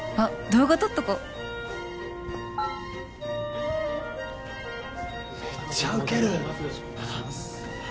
動画撮っとこめっちゃウケる